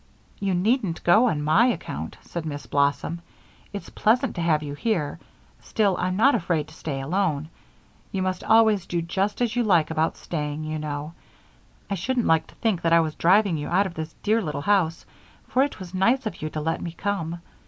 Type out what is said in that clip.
"You needn't go on my account," said Miss Blossom. "It's pleasant to have you here still, I'm not afraid to stay alone. You must always do just as you like about staying, you know; I shouldn't like to think that I was driving you out of this dear little house, for it was nice of you to let me come.